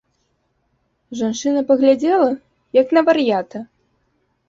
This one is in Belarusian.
Жанчына паглядзела, як на вар'ята.